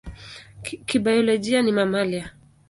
Kibiolojia ni mamalia.